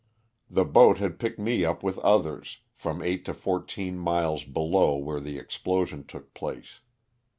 The boat had picked me up with others, from eight to fourteen miles below where the explosion took place.